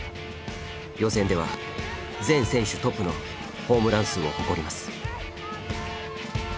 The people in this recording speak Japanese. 予選では全選手トップのホームラン数を誇ります。